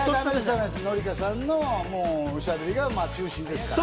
紀香さんのおしゃべりが中心ですから。